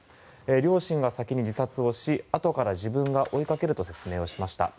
両親が先に自殺をしあとから自分が追いかけると説明をしました。